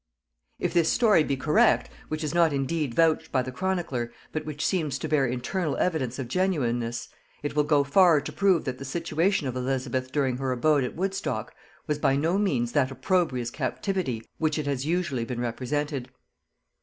If this story be correct, which is not indeed vouched by the chronicler, but which seems to bear internal evidence of genuineness, it will go far to prove that the situation of Elizabeth during her abode at Woodstock was by no means that opprobrious captivity which it has usually been represented.